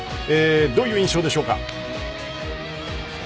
どういう印象でしょうか？